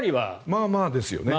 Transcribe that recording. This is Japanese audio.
まあまあですね。